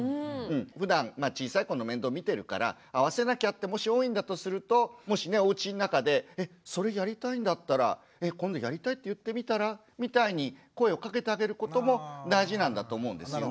ふだん小さい子の面倒見てるから合わせなきゃってもし多いんだとするともしねおうちの中で「えっそれやりたいんだったら今度やりたいって言ってみたら」みたいに声をかけてあげることも大事なんだと思うんですよね。